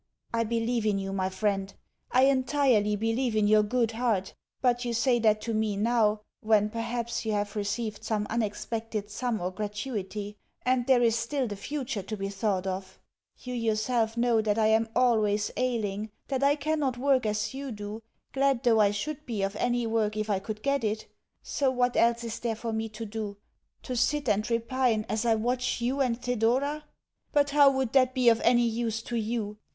I believe in you, my friend I entirely believe in your good heart; but, you say that to me now (when, perhaps, you have received some unexpected sum or gratuity) and there is still the future to be thought of. You yourself know that I am always ailing that I cannot work as you do, glad though I should be of any work if I could get it; so what else is there for me to do? To sit and repine as I watch you and Thedora? But how would that be of any use to you?